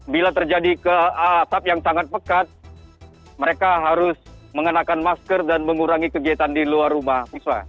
bila terjadi ke asap yang sangat pekat mereka harus mengenakan masker dan mengurangi kegiatan di luar rumah